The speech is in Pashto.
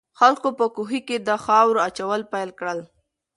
خلکو په کوهي کې د خاورو اچول پیل کړل.